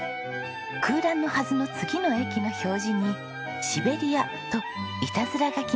空欄のはずの次の駅の表示に「シベリア」といたずら書きがありました。